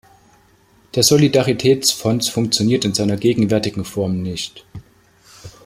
Der Solidaritätsfonds funktioniert in seiner gegenwärtigen Form nicht.